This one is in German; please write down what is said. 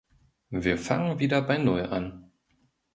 Wir fangen wieder bei null an.